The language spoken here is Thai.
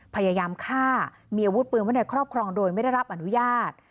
พยายามฆ่ามีอาวุธปืนไว้ในครอบครองโดยไม่ได้รับอนุญาต